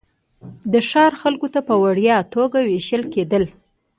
د ښار خلکو ته په وړیا توګه وېشل کېدل.